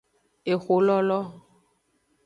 Exololo.